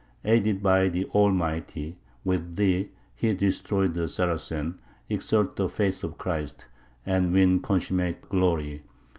Aided by the Almighty, with thee did he destroy the Saracen, exalt the faith of Christ, and win consummate glory.